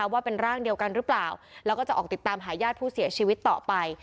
ว่าเป็นร่างเดียวกันหรือเปล่าแล้วก็จะออกติดตามหาญาติผู้เสียชีวิตต่อไป